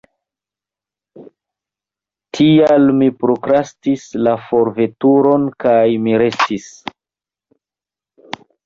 Tial mi prokrastis la forveturon kaj mi restis.